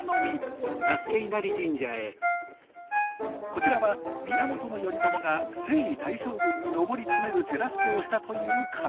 こちらは源頼朝が征夷大将軍に上り詰める手助けをしたという神様。